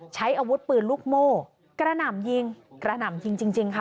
ใช้อาวุธปืนลูกโม่กระหน่ำยิงกระหน่ำยิงจริงค่ะ